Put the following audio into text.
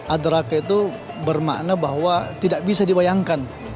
adraqa itu bermakna bahwa tidak bisa dibayangkan